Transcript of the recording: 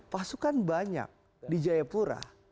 masukan banyak di jayapura